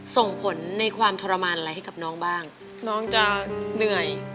ส่งผลในความทรมานอะไรให้กับน้องบ้างน้องจะเหนื่อย